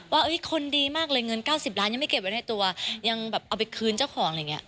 ว่าคนดีมากเลยเงิน๙๐ล้านยังไม่เก็บไว้ในตัวยังเอาไปคืนแหล่งเจ้าของ